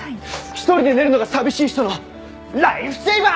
一人で寝るのが寂しい人のライフセーバー！